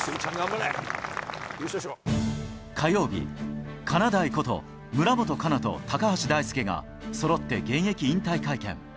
火曜日、かなだいこと、村元哉中と高橋大輔がそろって現役引退会見。